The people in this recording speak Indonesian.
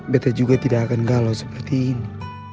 beta juga tidak akan galau seperti ini